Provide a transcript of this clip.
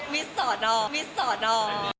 มิสสอนออ